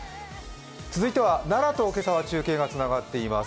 続いては奈良と今朝は中継がつながっています。